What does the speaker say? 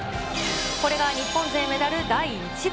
これが日本勢メダル第１号。